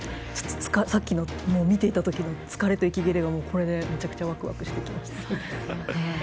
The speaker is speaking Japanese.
さっきの見ていたときの疲れと息切れがめちゃめちゃワクワクしてきました。